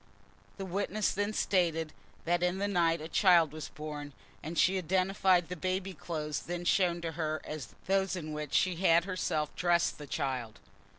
The witness then stated that in the night a child was born, and she identified the baby clothes then shown to her as those in which she had herself dressed the child.